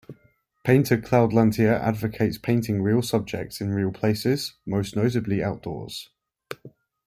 Painter Claude Lantier advocates painting real subjects in real places, most notably outdoors.